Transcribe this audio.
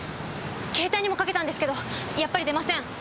携帯にもかけたんですけどやっぱり出ません。